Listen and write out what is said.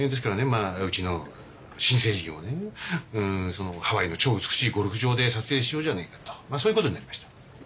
まあうちの新製品をねうんそのハワイの超美しいゴルフ場で撮影しようじゃないかとまあそういうことになりました。